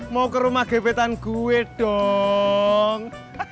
mau ke rumah gebetan gue dong